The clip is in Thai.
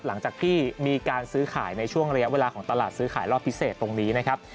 หลังจากที่มีการซื้อขายในช่วงระยะเวลาของตลาดซื้อขายรอบพิเศษตรงนี้นะครับ